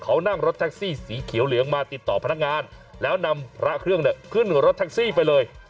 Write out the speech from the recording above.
เขานั่งรถแท็กซี่สีเขียวเหลืองมาติดต่อพนักงานแล้วนำพระเครื่องเนี่ยขึ้นรถแท็กซี่ไปเลย